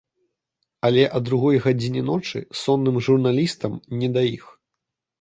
Але а другой гадзіне ночы сонным журналістам не да іх.